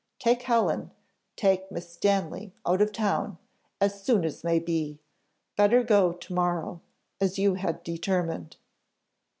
Take Helen take Miss Stanley out of town, as soon as may be. Better go to morrow, as you had determined."